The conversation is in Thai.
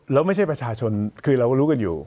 แล้วไม่ใช่ประชาชนคือเราก็รู้กันอยู่